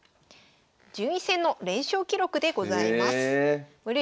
順位戦の連勝記録でございます。